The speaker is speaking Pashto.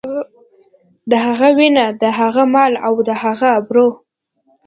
د هغه وينه، د هغه مال او د هغه ابرو.